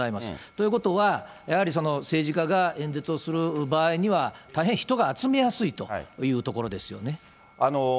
ということは、やはり政治家が演説をする場合には、大変、人が集めやすいという所ですよね。